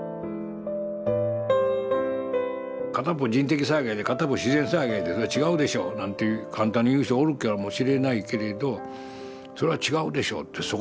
片っぽ人的災害で片っぽ自然災害でそれ違うでしょうなんて言う簡単に言う人おるかもしれないけれどそれは違うでしょって